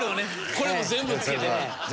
これも全部つけてね。